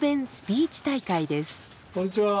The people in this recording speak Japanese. こんにちは。